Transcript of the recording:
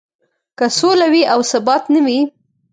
که سوله وي او ثبات نه وي.